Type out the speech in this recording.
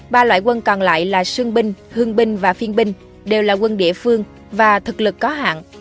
ba loại quân còn lại là sương binh hương binh và phiên binh đều là quân địa phương và thực lực có hạn